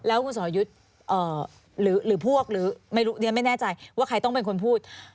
แล้วคุณสรยุทธ์หรือพวกหรือไม่รู้เรียนไม่แน่ใจว่าใครต้องเป็นคนพูด